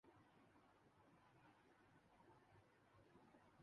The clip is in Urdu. اہل فتنہ کے خلاف لڑنے کا حق ریاست کے لیے ثابت ہے۔